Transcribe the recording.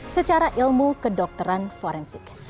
secara ilmu kedokteran forensik